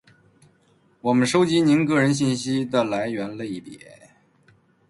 我们收集您个人信息的来源类别；